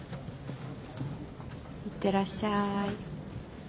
いってらっしゃい。